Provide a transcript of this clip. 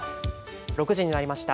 ６時になりました。